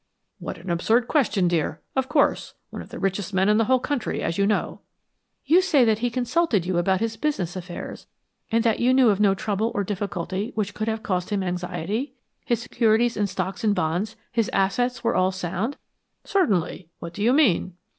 "What an absurd question, dear! Of course. One of the richest men in the whole country, as you know." "You say that he consulted you about his business affairs, and that you knew of no trouble or difficulty which could have caused him anxiety? His securities in stocks and bonds, his assets were all sound?" "Certainly. What do you mean?"